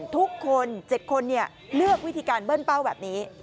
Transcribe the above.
ทุกคน๗คนเลือกวิธีการเบิ้ลเป้าแบบนี้